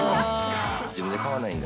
自分で買わないんで。